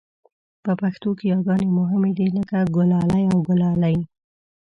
په پښتو کې یاګانې مهمې دي لکه ګلالی او ګلالۍ